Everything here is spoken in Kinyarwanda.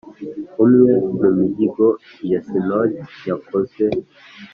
umwe mu mihigo ya sinodi yakozwe